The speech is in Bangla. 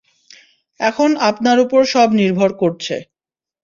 এখন আপনার ওপর সব নির্ভর করছে।